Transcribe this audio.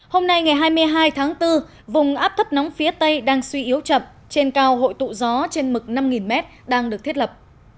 hôm nay ngày hai mươi hai tháng bốn vùng áp thấp nóng phía tây đang suy yếu chậm trên cao hội tụ gió trên mực năm m đang được thiết lập